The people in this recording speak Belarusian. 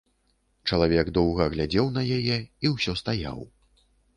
Чалавек доўга глядзеў на яе і ўсё стаяў.